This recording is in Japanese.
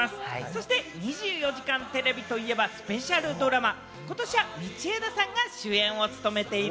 そして『２４時間テレビ』といえばのスペシャルドラマ。